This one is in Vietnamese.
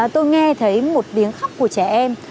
tôi nghe thấy một tiếng khóc của trẻ em